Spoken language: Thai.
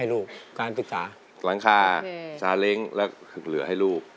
ย์น่ากลังค่าสาเล้งและหลัวให้ลูก